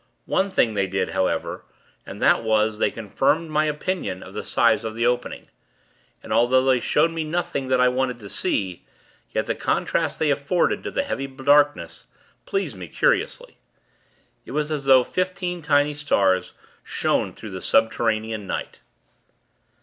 One thing they did, however, and that was, they confirmed my opinion of the size of the opening; and, although they showed me nothing that I wanted to see; yet the contrast they afforded to the heavy darkness, pleased me, curiously. It was as though fifteen tiny stars shone through the subterranean night.